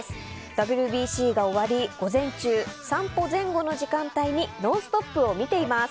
ＷＢＣが終わり、午前中散歩前後の時間帯に「ノンストップ！」を見ています。